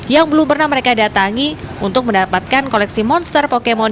yang belum pernah mereka datangi untuk mendapatkan koleksi monster pokemon